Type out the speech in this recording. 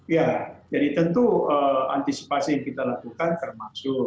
ya jadi tentu antisipasi yang kita lakukan termasuk